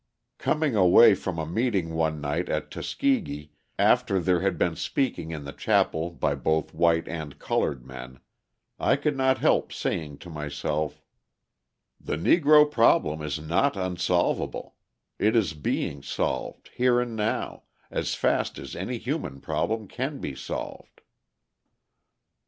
Coming away from a meeting one night at Tuskegee after there had been speaking in the chapel by both white and coloured men, I could not help saying to myself: "The Negro problem is not unsolvable; it is being solved, here and now, as fast as any human problem can be solved."